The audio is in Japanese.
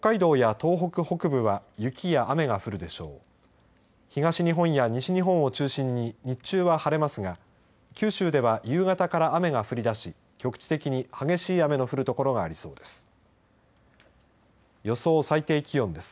東日本や西日本を中心に日中は晴れますが、九州では夕方から雨が降りだし局地的に激しい雨の降る所がありそうです。